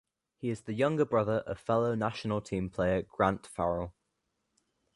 He is the younger brother of fellow national team player Grant Farrell.